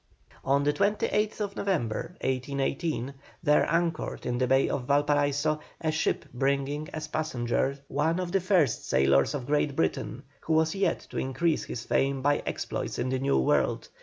On the 28th November, 1818, there anchored in the bay of Valparaiso a ship bringing as passenger one of the first sailors of Great Britain, who was yet to increase his fame by exploits in the New World.